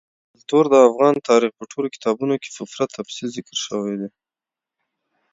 کلتور د افغان تاریخ په ټولو کتابونو کې په پوره تفصیل ذکر شوی دي.